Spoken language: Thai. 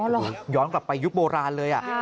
ย้อนกลับไปยุคโบราณเลย